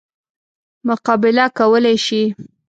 مقابله کولای شي.